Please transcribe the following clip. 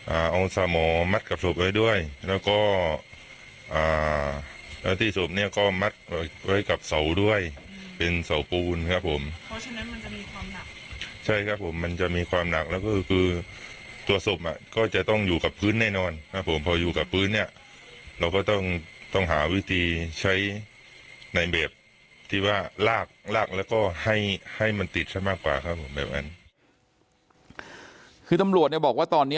อ่าเอาสมอมัดกับศพไว้ด้วยแล้วก็คืออ่าแล้วที่ศพเนี้ยก็มัดไว้กับเสาด้วยเป็นเสาปูนครับผมเพราะฉะนั้นมันจะมีความหนักใช่ครับผมมันจะมีความหนักแล้วก็คือตัวศพอ่ะก็จะต้องอยู่กับพื้นแน่นอนครับผมพออยู่กับพื้นเนี้ยเราก็ต้องต้องหาวิธีใช้ในแบบที่ว่าลากลากแล้วก็ให้ให้มันติดซะมากกว่าครับผมแบบนั้นคือตำรวจเนี่ยบอกว่าตอนนี้